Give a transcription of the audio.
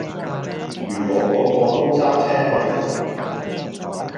如果個個都揸車去